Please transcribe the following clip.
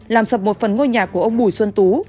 làm sập một phần ngôi nhà của ông bùi xuân tú